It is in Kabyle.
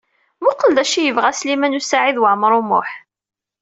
Mmuqqel d acu ay yebɣa Sliman U Saɛid Waɛmaṛ U Muḥ.